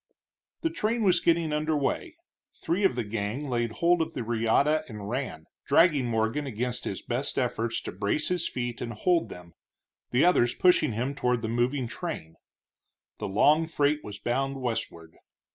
The train was getting under way; three of the gang laid hold of the reata and ran, dragging Morgan against his best efforts to brace his feet and hold them, the others pushing him toward the moving train. The long freight was bound westward.